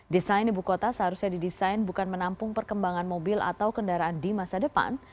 desain ibu kota seharusnya didesain bukan menampung perkembangan mobil atau kendaraan di masa depan